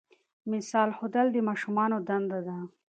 مثال ښودل د ماشومانو دنده ده.